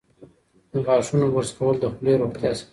د غاښونو برس کول د خولې روغتیا ساتي.